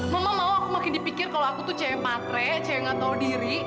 mama mau aku makin dipikir kalau aku tuh cewek gak tahu diri